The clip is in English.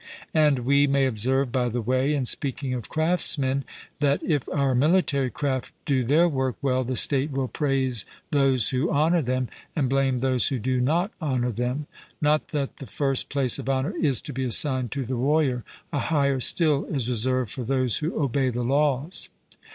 And we may observe by the way, in speaking of craftsmen, that if our military craft do their work well, the state will praise those who honour them, and blame those who do not honour them. Not that the first place of honour is to be assigned to the warrior; a higher still is reserved for those who obey the laws.